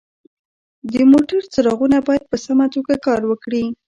د موټر څراغونه باید په سمه توګه کار وکړي.